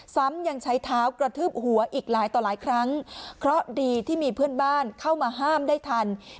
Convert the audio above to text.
ซ้ำยังใช้เท้ากระทืบหัวอีกหลายต่อหลายครั้งเพราะดีที่มีเพื่อนบ้านเข้ามาห้ามได้ทัน